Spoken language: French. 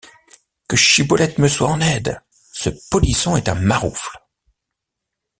Que Schiboleth me soit en aide! ce polisson est un maroufle.